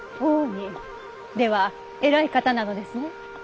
では偉い方なのですね。